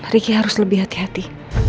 riki harus lebih hati hati